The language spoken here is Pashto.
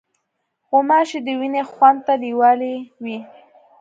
غوماشې د وینې خوند ته لیوالې وي.